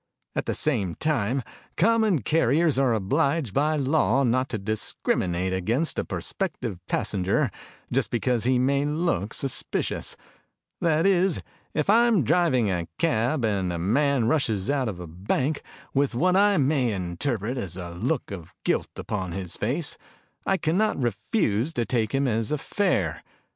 At the same time, common carriers are obliged by law not to discriminate against a prospective passenger just because he may look suspicious: That is, if I am driving a cab and a man rushes out of a bank with what I may interpret as a look of guilt upon his face, I cannot refuse to take him as a fare.